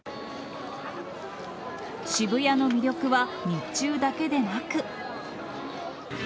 渋谷の魅力は日中だけでなく。